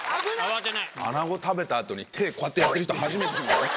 アナゴ食べた後に手こうやってる人初めて見るね。